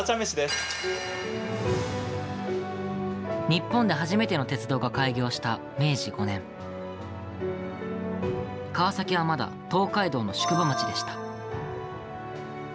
日本で初めての鉄道が開業した明治５年川崎はまだ東海道の宿場町でした。